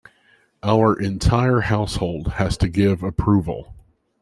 Our entire household has to give approval.